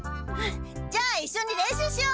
じゃあいっしょに練習しよう！